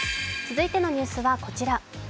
続いてのニュースはこちら。